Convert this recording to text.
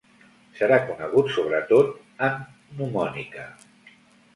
Serà conegut sobretot en gnomònica.